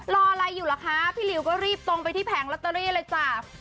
รออะไรอยู่เหรอคะพี่หลิวก็รีบตรงไปที่แผงลอตเตอรี่เลยจ้า